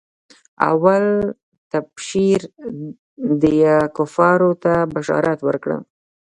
اول تبشير ديه کفارو ته بشارت ورکړه.